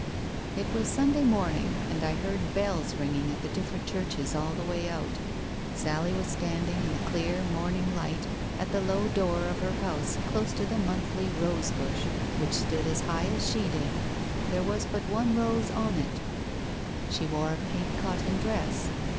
It was Sunday morning, and I heard bells ringing at the different churches all the way out. Sally was stand ing in the clear morning light, at the low door of her house close to the monthly rose bush which stood as high as she did. There was but one rose on it. She wore a pink cotton dress.